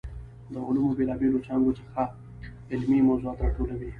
د علومو بېلا بېلو څانګو څخه علمي موضوعات راټولوي.